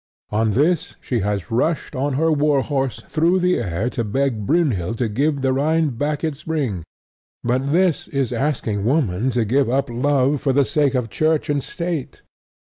On this she has rushed on her warhorse through the air to beg Brynhild to give the Rhine back its ring. But this is asking Woman to give up love for the sake of Church and State.